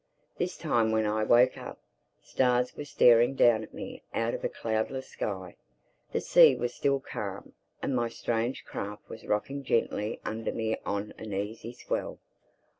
This time when I woke up, stars were staring down at me out of a cloudless sky. The sea was still calm; and my strange craft was rocking gently under me on an easy swell.